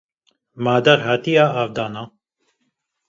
Ma, Dar hatiye avdane ?